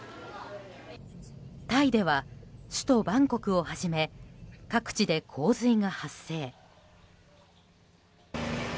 タイでは、首都バンコクをはじめ各地で洪水が発生。